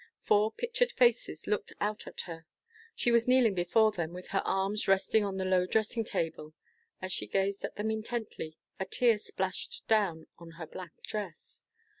Four pictured faces looked out at her. She was kneeling before them, with her arms resting on the low dressing table. As she gazed at them intently, a tear splashed down on her black dress.